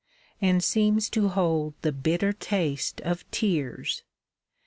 And seems to hold the bitter taste of tears?